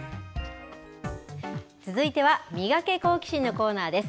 続いては、ミガケ、好奇心！のコーナーです。